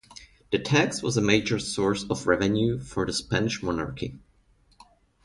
The tax was a major source of revenue for the Spanish monarchy.